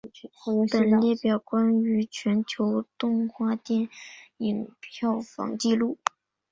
本列表关于全球动画电影票房纪录。